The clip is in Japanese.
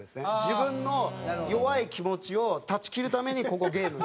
自分の弱い気持ちを断ち切るためにここゲーム。